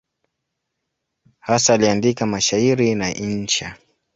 Hasa aliandika mashairi na insha.